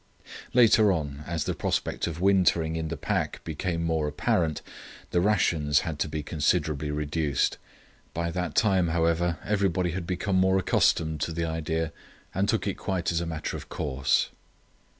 Later on, as the prospect of wintering in the pack became more apparent, the rations had to be considerably reduced. By that time, however, everybody had become more accustomed to the idea and took it quite as a matter of course.